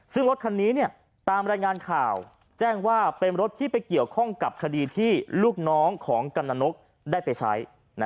ซึ่งรถขันนี้เรียกว่าเป็นรถที่เกี่ยวข้องกับคดีที่ลูกน้องของกำนนกได้ไปใช้